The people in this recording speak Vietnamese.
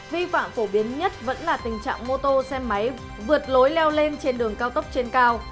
vi phạm phổ biến nhất vẫn là tình trạng mô tô xe máy vượt lối leo lên trên đường cao tốc trên cao